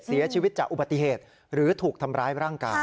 เสียชีวิตจากอุบัติเหตุหรือถูกทำร้ายร่างกาย